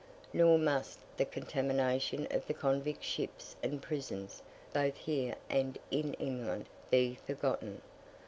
Nor must the contamination of the convict ships and prisons, both here and in England, be forgotten.